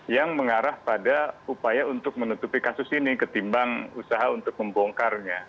yang mengarah pada upaya untuk menutupi kasus ini ketimbang usaha untuk membongkarnya